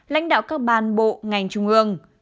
lãnh đạo các ban bộ ngành trung ương